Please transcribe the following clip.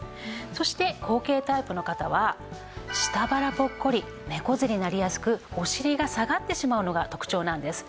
そして後傾タイプの方は下腹ポッコリ猫背になりやすくお尻が下がってしまうのが特徴なんです。